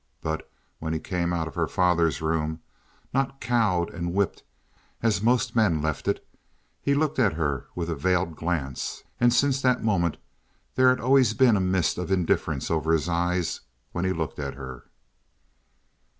But when he came out of her father's room not cowed and whipped as most men left it he had looked at her with a veiled glance, and since that moment there had always been a mist of indifference over his eyes when he looked at her.